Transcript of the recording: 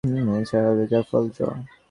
এ ছাড়া হবে raffle draw.